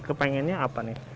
kepengennya apa nih